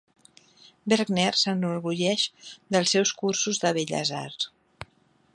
Berkner s'enorgulleix dels seus cursos de belles arts.